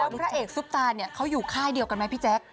พระเอกซุปตาเนี่ยเขาอยู่ค่ายเดียวกันไหมพี่แจ๊ค